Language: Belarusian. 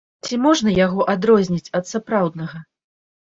Ці можна яго адрозніць ад сапраўднага?